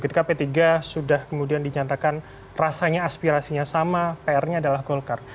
ketika p tiga sudah kemudian dinyatakan rasanya aspirasinya sama pr nya adalah golkar